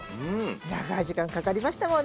長い時間かかりましたもんね。